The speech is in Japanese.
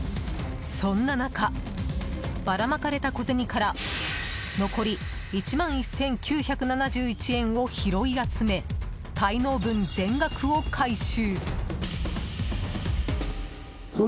そんな中、ばらまかれた小銭から残り１万１９７１円を拾い集め滞納分全額を回収。